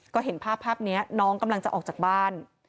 ก็เห็นภาพภาพนี้น้องกำลังจะออกจากบ้าน